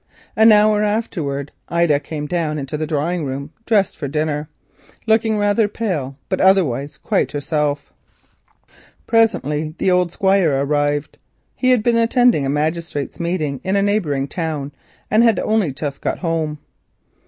An hour afterwards Ida came down into the drawing room dressed for dinner, looking rather pale but otherwise quite herself. Presently the Squire arrived. He had been at a magistrate's meeting, and had only just got home.